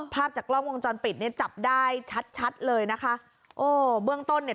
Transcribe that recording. ภาพจากกล้องวงจรปิดเนี่ยจับได้ชัดชัดเลยนะคะโอ้เบื้องต้นเนี่ย